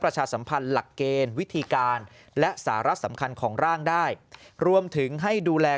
ประชาสัมพันธ์หลักเกณฑ์วิธีการและสาระสำคัญของร่างได้รวมถึงให้ดูแล